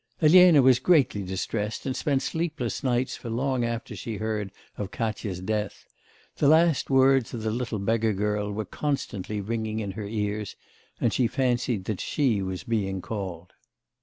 Elena was greatly distressed, and spent sleepless nights for long after she heard of Katya's death. The last words of the little beggar girl were constantly ringing in her ears, and she fancied that she was being called....